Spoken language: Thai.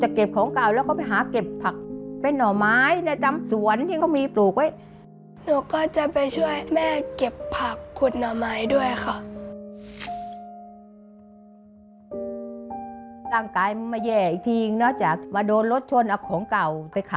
หนูก็ไปช่วยแม่เลือกคัดของช่วยยกของขึ้นรถค่ะ